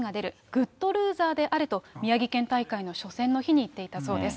グッドルーザーであれと、宮城県大会の初戦の日に言っていたそうです。